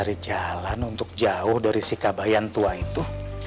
cari jalan untuk jauh dari si kabayan tua itu